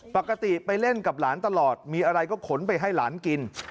ไปเล่นกับหลานตลอดมีอะไรก็ขนไปให้หลานกิน